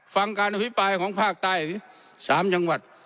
ฟังการวิบายของภาคใต้ทั้ง๓จังหวัด